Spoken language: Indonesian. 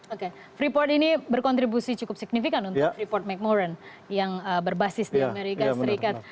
oke freeport ini berkontribusi cukup signifikan untuk freeport mcmoran yang berbasis di amerika serikat